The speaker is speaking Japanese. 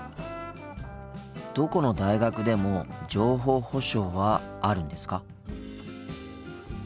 どこの大学でも情報保障はあるんですか？